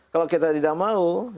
kalau kita tidak mau